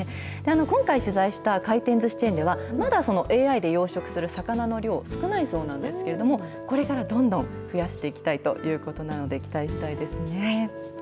今回取材した回転ずしチェーンでは、まだＡＩで養殖する魚の量、少ないそうなんですけれども、これからどんどん増やしていきたいということなので、期待したいですね。